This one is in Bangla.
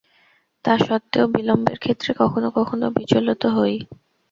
তা সত্ত্বেও বিলম্বের ক্ষেত্রে কখনও কখনও বিচলত হই।